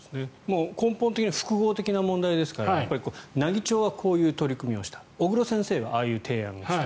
根本的には複合的な問題ですから奈義町はこういう取り組みをした小黒先生はああいう提案をした。